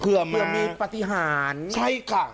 เผื่อมีปฏิหารใช่ค่ะ